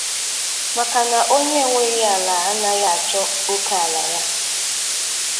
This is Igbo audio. maka na onye enweghị ala anaghị achọ ókè ala ya